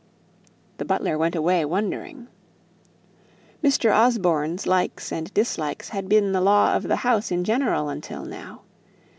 The butler went away wondering. "Mr. Osborne's" likes and dislikes had been the law of the house in general until now.